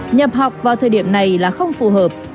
nhập học vào thời điểm này là không phù hợp